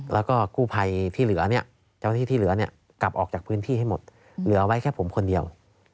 แล้วก็กู้ภัยที่เหลือเนี่ยเจ้าหน้าที่ที่เหลือเนี่ยกลับออกจากพื้นที่ให้หมดเหลือไว้แค่ผมคนเดียว